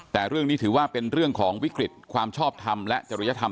แต่เรื่องนี้ถือว่าเป็นเรื่องของวิกฤตความชอบทำและจริยธรรม